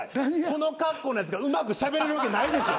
この格好のやつがうまくしゃべれるわけないでしょ。